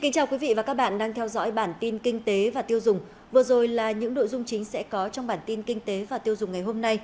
chào mừng quý vị đến với bản tin kinh tế và tiêu dùng